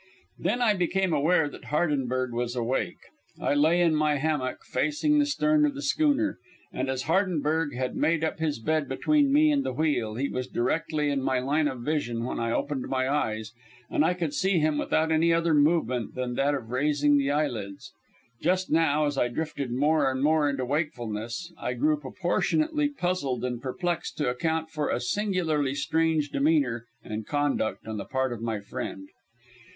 Then I became aware that Hardenberg was awake. I lay in my hammock, facing the stern of the schooner, and as Hardenberg had made up his bed between me and the wheel he was directly in my line of vision when I opened my eyes, and I could see him without any other movement than that of raising the eyelids. Just now, as I drifted more and more into wakefulness, I grew proportionately puzzled and perplexed to account for a singularly strange demeanour and conduct on the part of my friend.